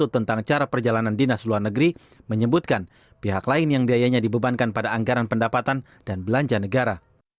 tentang cara perjalanan dinas luar negeri menyebutkan pihak lain yang biayanya dibebankan pada anggaran pendapatan dan belanja negara